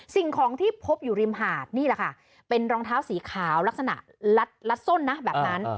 สิ่งของที่พบอยู่ริมหาดนี่แหละค่ะเป็นรองเท้าสีขาวลักษณะลัดส้นนะแบบนั้น